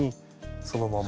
そのまま。